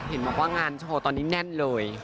เห็นบอกว่างานโชว์ตอนนี้แน่นเลย